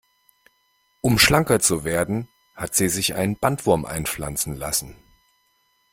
Um schlanker zu werden, hat sie sich einen Bandwurm einpflanzen lassen.